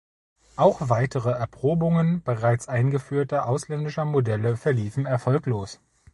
Auch weitere Erprobungen bereits eingeführter ausländischer Modelle verliefen erfolglos.